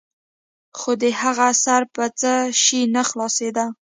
خو د هغه سر په څه شي نه خلاصېده.